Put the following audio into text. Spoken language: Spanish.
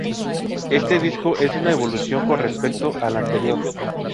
Este disco es una evolución con respecto al anterior.